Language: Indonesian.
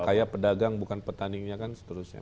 kaya pedagang bukan petaninya kan seterusnya